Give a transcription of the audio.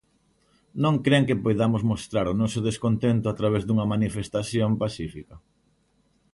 Non cren que poidamos mostrar o noso descontento a través dunha manifestación pacífica.